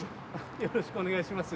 よろしくお願いします。